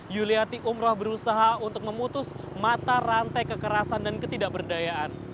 yuliati umroh berusaha untuk memutus mata rantai kekerasan dan ketidakberdayaan